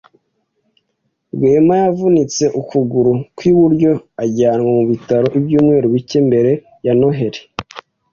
Rwema yavunitse ukuguru kw'iburyo ajyanwa mu bitaro ibyumweru bike mbere ya Noheri.